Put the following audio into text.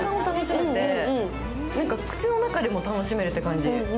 口の中でも楽しめるって感じ。